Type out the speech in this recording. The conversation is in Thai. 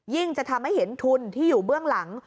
จะทำให้เห็นทุนที่อยู่เบื้องหลัง